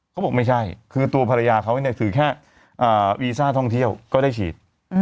เขาบอกไม่ใช่คือตัวภรรยาเขาเนี่ยถือแค่วีซ่าท่องเที่ยวก็ได้ฉีด